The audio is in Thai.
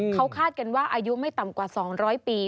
เขาคาดกันว่าอายุไม่ต่ำกว่า๒๐๐ปี